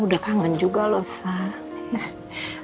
udah kangen juga loh saya